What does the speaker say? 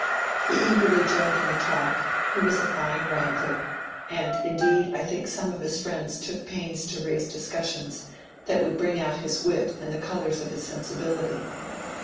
He eagerly joined in the talk ; he was a fine wrangler ; and indeed I think some of his friends took pains to raise discussions that would bring out his wit and the colours of his sensibility.